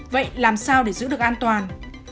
vậy làm sao để giữ được an toàn